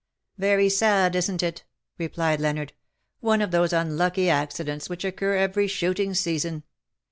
" Very sad, isn't it ?" replied Leonard; " one of those unlucky accidents which occur every shooting season.